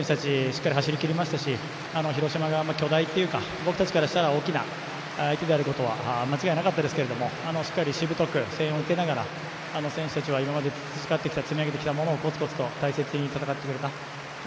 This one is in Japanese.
しっかり走り切りましたし広島が巨大というか僕たちからしたら大きな相手であることは間違いなかったですけどもしっかり、しぶとく声援を受けながら選手たちは今まで培ってきた積み上げてきたものをコツコツと大切に戦ってくれた。